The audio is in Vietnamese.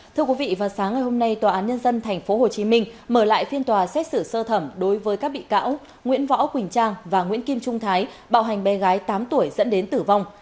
thưa quý vị vào sáng ngày hôm nay tòa án nhân dân tp hcm mở lại phiên tòa xét xử sơ thẩm đối với các bị cáo nguyễn võ quỳnh trang và nguyễn kim trung thái bạo hành bé gái tám tuổi dẫn đến tử vong